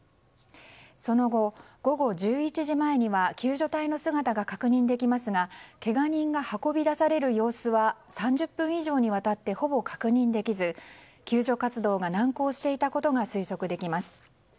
その後、午後１１時前には救助隊の姿が確認できますがけが人が運び出される様子は３０分以上にわたってほぼ確認できず救助活動が難航していたことが推測できます。